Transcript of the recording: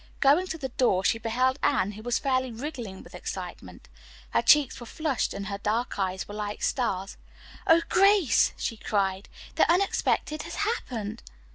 Going to the door she beheld Anne who was fairly wriggling with excitement. Her cheeks were flushed and her dark eyes were like stars. "Oh, Grace," she cried. "The unexpected has happened!"